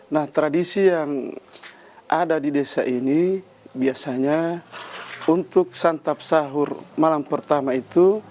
nah tradisi yang ada di desa ini biasanya untuk santap sahur malam pertama itu